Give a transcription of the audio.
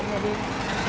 jadi berkat bapak desi